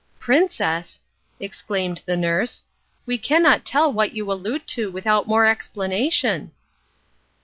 "Princess," exclaimed the nurse, "we cannot tell what you allude to without more explanation."